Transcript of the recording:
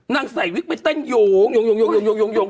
นางใส่วิกไปเต้นโหงโหงโหงโหงโหงโหงโหงโหง